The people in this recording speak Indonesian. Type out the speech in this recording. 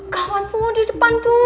kawanmu di depan bu